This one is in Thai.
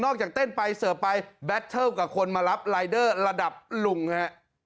นอกจากเต้นไปเสิร์ฟไปกับคนมารับลายเดอร์ระดับหลุงฮะ